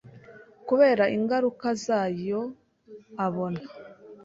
kubera ingaruka zayo abona